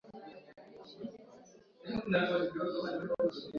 Ugonjwa wa miguu na midomo huathiri wanyama wenye kwato zilizopasuka kati